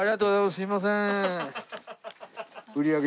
すいません。